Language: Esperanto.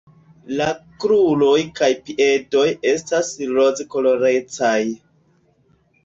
La kruroj kaj piedoj estas rozkolorecaj.